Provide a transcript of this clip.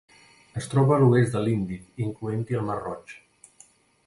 Es troba a l'oest de l'Índic, incloent-hi el Mar Roig.